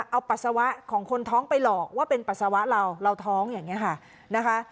เอาปัสสาวะของคนท้องไปหลอกว่าเป็นปัสสาวะเราเราท้องอย่างนี้ค่ะนะคะ